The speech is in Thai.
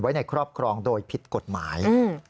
ในครอบครองโดยผิดกฎหมาย